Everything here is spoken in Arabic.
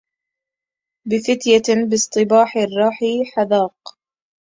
بفتية باصطباح الراح حذاق